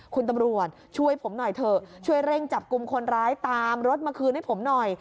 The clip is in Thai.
คุณตำรวจช่วยผมหน่อยเถอะช่วยเร่งจับกลุ่มคนร้ายตามรถมาคืนให้ผมหน่อย